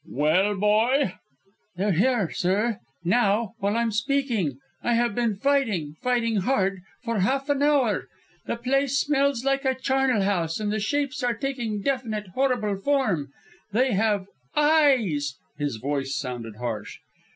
"Well, boy?" "They're here, sir now, while I'm speaking! I have been fighting fighting hard for half an hour. The place smells like a charnel house and the shapes are taking definite, horrible form! They have ... eyes!" His voice sounded harsh.